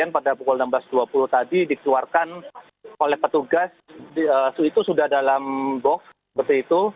pada pukul enam belas dua puluh tadi dikeluarkan oleh petugas itu sudah dalam box seperti itu